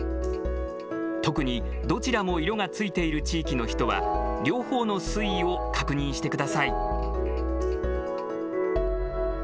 特にどちらも色が付いている地域の人は両方の水位を確認してください。